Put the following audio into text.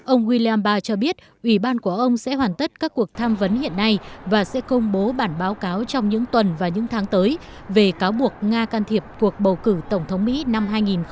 ông william barr cho biết ủy ban của ông sẽ hoàn tất các cuộc tham vấn hiện nay và sẽ công bố bản báo cáo trong những tuần và những tháng tới về cáo buộc nga can thiệp cuộc bầu cử tổng thống mỹ năm hai nghìn một mươi sáu